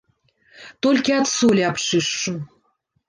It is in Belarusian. Толькі ад солі абчышчу.